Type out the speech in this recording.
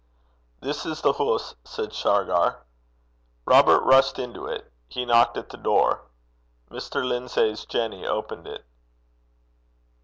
'This is the hoose,' said Shargar. Robert rushed into action. He knocked at the door. Mr. Lindsay's Jenny opened it.